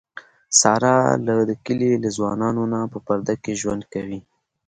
ساره له د کلي له ځوانانونه په پرده کې ژوند کوي.